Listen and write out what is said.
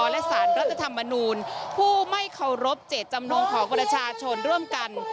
และสารรัฐธรรมนูลผู้ไม่เคารพเจตจำนงของประชาชนร่วมกัน